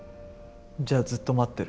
じゃあずっと待ってる。